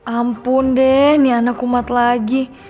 ampun deh nih anak kumat lagi